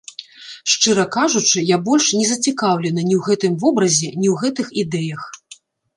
Шчыра кажучы, я больш не зацікаўлены ні ў гэтым вобразе, ні ў гэтых ідэях.